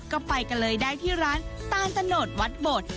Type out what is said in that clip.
ก็ไปกันเลยได้ที่ร้านตานตะโนดวัดโบด